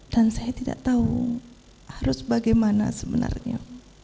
dan saya tidak tahu harus bagaimana sebenarnya